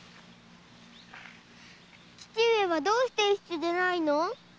父上はどうして一緒じゃないの？